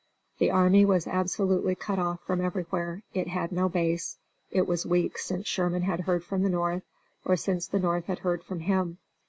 The army was absolutely cut off from everywhere. It had no base; it was weeks since Sherman had heard from the North or since the North had heard from him.